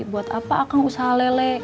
buat apa akan usaha lele